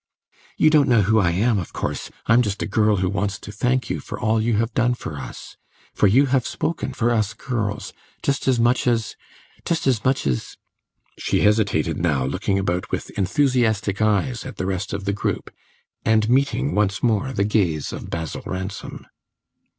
"You don't know who I am, of course; I'm just a girl who wants to thank you for all you have done for us. For you have spoken for us girls, just as much as just as much as " She hesitated now, looking about with enthusiastic eyes at the rest of the group, and meeting once more the gaze of Basil Ransom.